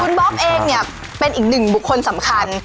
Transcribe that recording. คุณบ๊อบเองเนี่ยเป็นอีกหนึ่งบุคคลสำคัญ